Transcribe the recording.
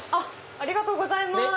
ありがとうございます！